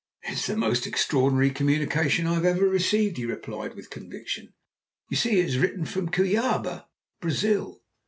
"It's the most extraordinary communication I have ever received," he replied with conviction. "You see it is written from Cuyaba, Brazil.